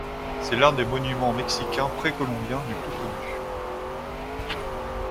C'est l'un des monuments mexicains précolombiens les plus connus.